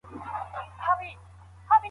هغه د خپلو پوځیانو په منځ کې ډېر محبوبیت درلود.